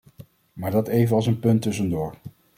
Maar dat even als een punt tussendoor.